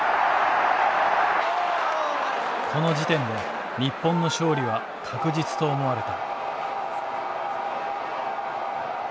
この時点で日本の勝利は確実と思われた。